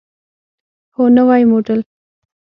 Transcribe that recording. هو، نوی موډل